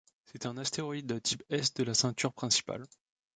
C'est un astéroïde de type S de la ceinture principale.